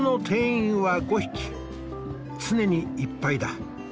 常にいっぱいだ。